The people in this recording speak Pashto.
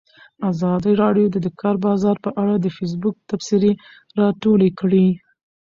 ازادي راډیو د د کار بازار په اړه د فیسبوک تبصرې راټولې کړي.